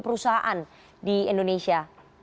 perusahaan di indonesia